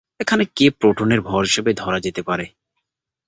এখানে কে প্রোটনের ভর হিসেবে ধরা যেতে পারে।